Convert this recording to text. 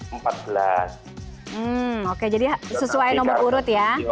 hmm oke jadi sesuai nomor urut ya